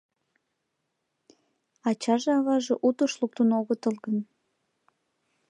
Ачаже-аваже утыш луктын огытыл гын